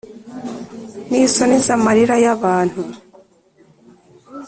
ni isoni z’amarira ya bantu